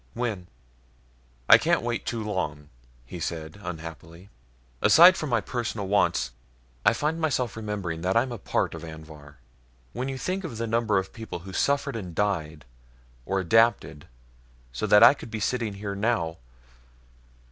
When?" "I can't wait too long," he said, unhappily. "Aside from my personal wants, I find myself remembering that I'm a part of Anvhar. When you think of the number of people who suffered and died or adapted so that I could be sitting here now